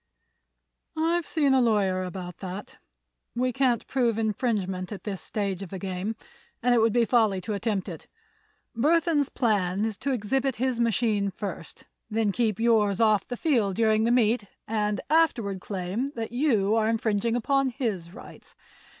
"I've seen a lawyer about that. We can't prove infringement at this stage of the game and it would be folly to attempt it. Burthon's plan is to exhibit his machine first, then keep yours off the field during the meet and afterward claim that you are infringing upon his rights.